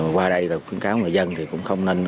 qua đây khuyến cáo người dân cũng không nên